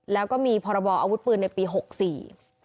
แล้วก็มีพรบอาวุธปืนในปี๖๔